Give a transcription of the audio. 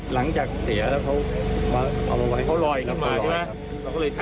หลังจากเสียแล้วเขาเอามาไว้เขาลอยแล้วเขาลอยครับ